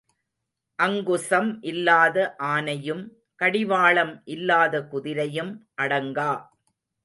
அங்குசம் இல்லாத ஆனையும் கடிவாளம் இல்லாத குதிரையும் அடங்கா.